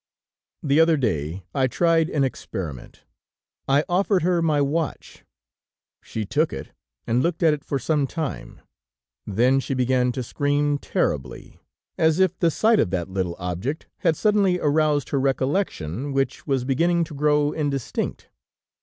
"The other day, I tried an experiment. I offered her my watch; she took it and looked at it for some time; then she began to scream terribly, as if the sight of that little object had suddenly aroused her recollection, which was beginning to grow indistinct.